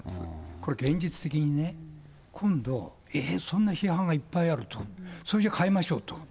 これ現実的にね、今度、えー、そんな批判がいっぱいあると、それじゃあ変えましょうと。